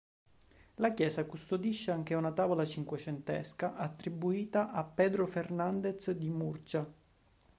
La chiesa custodisce anche una tavola cinquecentesca attribuita a Pedro Fernandez di Murcia.